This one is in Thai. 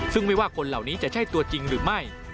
ซึ่งไม่ว่าคนเหล่านี้จะใช่ตัวจริงหรือไม่